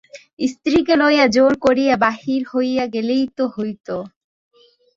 স্ত্রীকে লইয়া জোর করিয়া বাহির হইয়া গেলেই তো হইত।